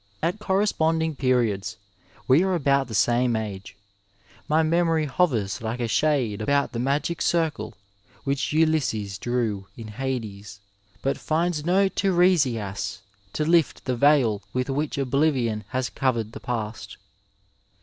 ^ At corresponding periods — ^we are about the same age — my memory hovers like a shade about the magic circle which Ulysses drew in Hades, but finds no Turesias to lift the veil with which obli vion has covered the past.